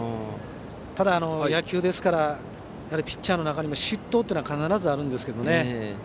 ただ、野球ですからピッチャーの中にも失投というのは必ずあるんですよね。